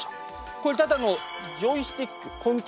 これただのジョイスティックコントローラー。